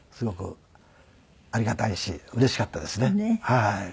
はい。